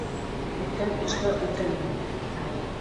Үткән эшкә үкенмә.